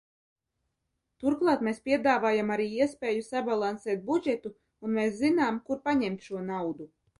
Turklāt mēs piedāvājam arī iespēju sabalansēt budžetu, un mēs zinām, kur paņemt šo naudu.